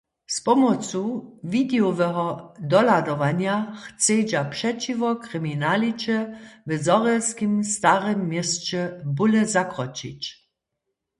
Z pomocu widejoweho dohladowanja chcedźa přećiwo kriminaliće w Zhorjelskim starym měsće bóle zakročić.